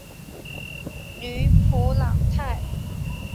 吕普朗泰。